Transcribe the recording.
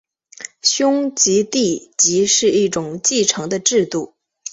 兄终弟及是一种继承的制度。